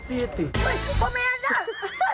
อุ๊ยโปรแมนจ้ะ